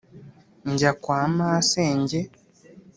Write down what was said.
- njyana kwa masenge.